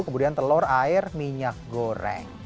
kemudian telur air minyak goreng